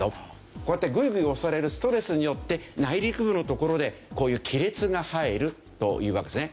こうやってグイグイ押されるストレスによって内陸部の所でこういう亀裂が入るというわけですね。